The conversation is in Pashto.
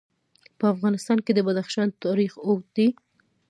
په افغانستان کې د بدخشان تاریخ اوږد دی.